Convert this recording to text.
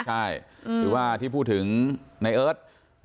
คือว่าที่พูดถึงในเอิร์ท